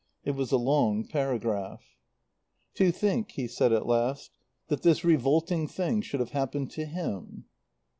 It was a long paragraph. "To think," he said at last, "that this revolting thing should have happened to him."